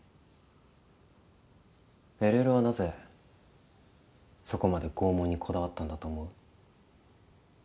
ＬＬはなぜそこまで拷問にこだわったんだと思う？